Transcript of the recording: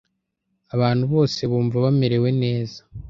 Abantu bose bumva bamerewe neza.